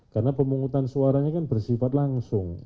karena pemungutan suaranya kan bersifat langsung